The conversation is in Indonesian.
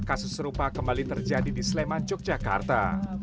kasus serupa kembali terjadi di sleman yogyakarta